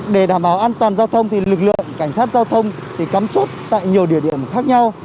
để đảm bảo an toàn giao thông thì lực lượng cảnh sát giao thông thì cắm chốt tại nhiều địa điểm khác nhau